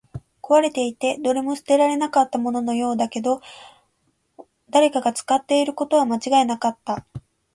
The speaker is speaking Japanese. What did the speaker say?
壊れていて、どれも捨てられたもののようだったけど、誰かが使っていることは間違いなかった